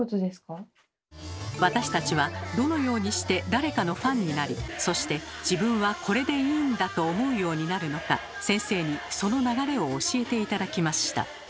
私たちはどのようにして誰かのファンになりそして「自分はこれでいいんだ！」と思うようになるのか先生にその流れを教えて頂きました。